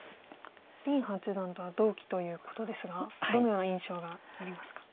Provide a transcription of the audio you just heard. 林八段とは同期ということですがどのような印象がありますか？